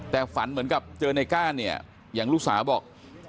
แต่ฝันเหมือนกับเจอในก้านเนี่ยอย่างลูกสาวบอก